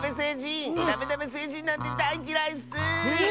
ダメダメせいじんなんてだいっきらいッスー！